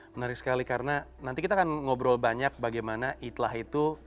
menarik sekali karena nanti kita akan ngobrol banyak bagaimana itlah itu